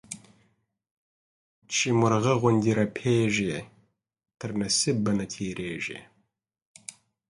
چي مرغه غوندي رپېږي، تر نصيب به نه تيرېږې.